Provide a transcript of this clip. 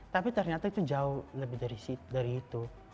tapi ternyata itu jauh lebih dari itu